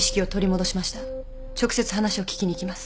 直接話を聞きに行きます。